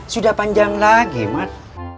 sudah panjang lagi mat